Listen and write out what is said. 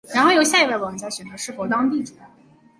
然后由下一位玩家选择是否当地主。